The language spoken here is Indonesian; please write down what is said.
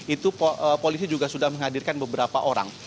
itu polisi juga sudah menghadirkan beberapa orang